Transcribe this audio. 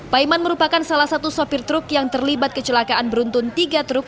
paiman merupakan salah satu sopir truk yang terlibat kecelakaan beruntun tiga truk